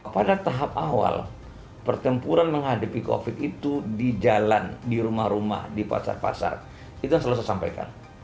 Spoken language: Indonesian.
pada tahap awal pertempuran menghadapi covid itu di jalan di rumah rumah di pasar pasar itu yang selalu saya sampaikan